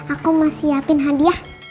aku mau siapin hadiah